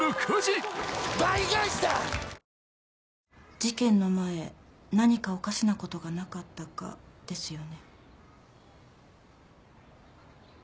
事件の前何かおかしなことがなかったかですよね。